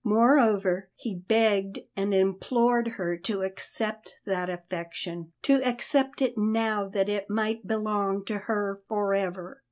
Moreover, he begged and implored her to accept that affection, to accept it now that it might belong to her forever.